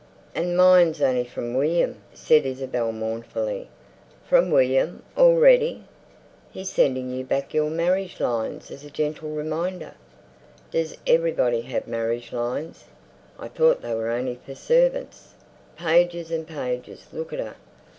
"And mine's only from William," said Isabel mournfully. "From William—already?" "He's sending you back your marriage lines as a gentle reminder." "Does everybody have marriage lines? I thought they were only for servants." "Pages and pages! Look at her!